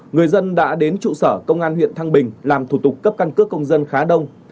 người dân đã đến trụ sở công an huyện thăng bình làm thủ tục cấp căn cước công dân khá đông